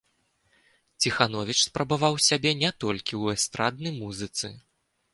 Ціхановіч спрабаваў сябе не толькі ў эстраднай музыцы.